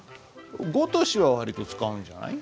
「ごとし」は割と使うんじゃない？